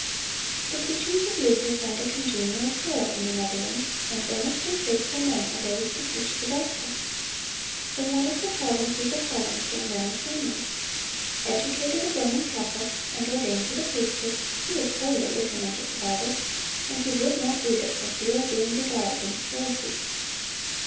(353) The teachings of Luther found a congenial soil in the Netherlands, and earnest and faithful men arose to preach the gospel. From one of the provinces of Holland came Menno Simons. Educated a Roman Catholic, and ordained to the priesthood, he was wholly ignorant of the Bible, and he would not read it, for fear of being beguiled into heresy.